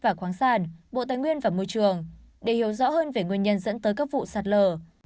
và khoáng sản bộ tài nguyên và môi trường để hiểu rõ hơn về nguyên nhân dẫn tới các vụ sạt lở